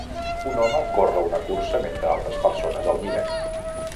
Un home corre una cursa mentre altres persones el miren.